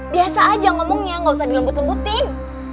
biasa aja ngomongnya gausah dilembut lembutin